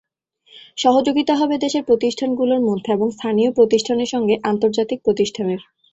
সহযোগিতা হবে দেশের প্রতিষ্ঠানগুলোর মধ্যে এবং স্থানীয় প্রতিষ্ঠানের সঙ্গে আন্তর্জাতিক প্রতিষ্ঠানের।